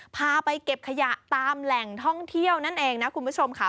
พาไปเก็บขยะตามแหล่งท่องเที่ยวนั่นเองนะคุณผู้ชมค่ะ